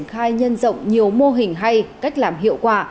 khai nhân rộng nhiều mô hình hay cách làm hiệu quả